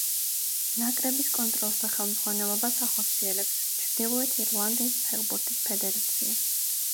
ნაკრების კონტროლს და ხელმძღვანელობას ახორციელებს ჩრდილოეთ ირლანდიის ფეხბურთის ფედერაცია.